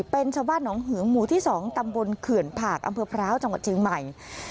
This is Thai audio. เป็นชาวบ้านหนองเหืองหมู่ที่๒ตำบลเขื่อนผากอำเภอพร้าวจังหวัดเชียงใหม่